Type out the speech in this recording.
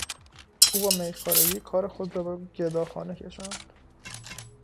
او با میخوارگی کار خود را به گداخانه کشاند.